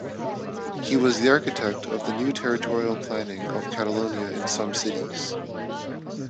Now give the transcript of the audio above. He was the architect of the new territorial planning of Catalonia and some cities.